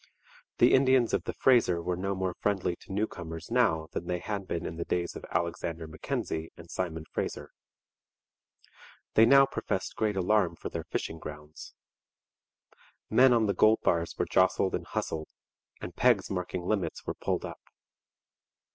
The Indians of the Fraser were no more friendly to newcomers now than they had been in the days of Alexander Mackenzie and Simon Fraser. They now professed great alarm for their fishing grounds. Men on the gold bars were jostled and hustled, and pegs marking limits were pulled up.